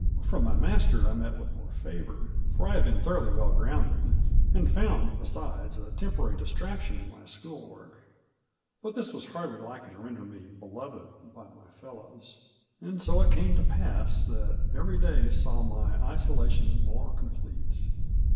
From my master I met with more favor, for I had been thoroughly well grounded, and found, besides, a temporary distraction in my school work; but this was hardly likely to render me more beloved by my fellows. Digitized by VjOOQIC MABJORY. . 91 and 80 it came to pass that every day saw my isolation more complete.